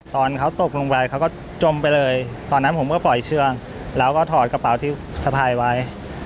ตอนเขาตกลงไปเขาก็จมไปเลยตอนนั้นผมก็ปล่อยเชืองแล้วก็ถอดกระเป๋าที่สะพายไว้